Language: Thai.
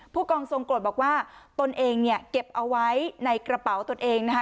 ผู้กองทรงกรดบอกว่าตนเองเนี่ยเก็บเอาไว้ในกระเป๋าตนเองนะคะ